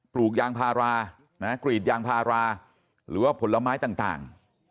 ปลูกยางพารากรีดยางพาราหรือว่าผลไม้ต่าง